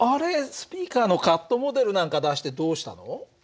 スピーカーのカットモデルなんか出してどうしたの？